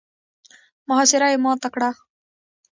محاصره يې ماته کړه.